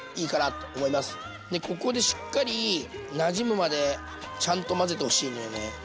でここでしっかりなじむまでちゃんと混ぜてほしいんだよね。